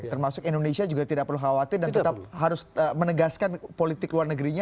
termasuk indonesia juga tidak perlu khawatir dan tetap harus menegaskan politik luar negerinya